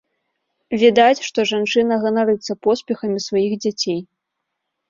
Відаць, што жанчына ганарыцца поспехамі сваіх дзяцей.